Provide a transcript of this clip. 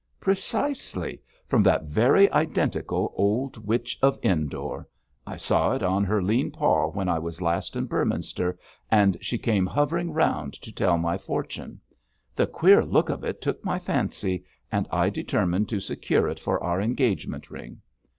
'Precisely; from that very identical old Witch of Endor. I saw it on her lean paw when I was last in Beorminster, and she came hovering round to tell my fortune. The queer look of it took my fancy, and I determined to secure it for our engagement ring.